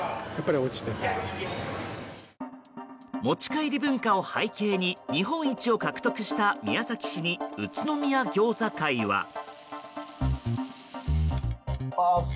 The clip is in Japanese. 持ち帰り文化を背景に日本一を獲得した宮崎市に宇都宮餃子会は。